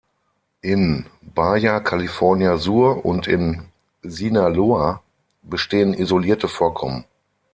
In Baja California Sur und in Sinaloa bestehen isolierte Vorkommen.